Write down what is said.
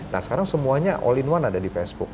nah sekarang semuanya all in one ada di facebook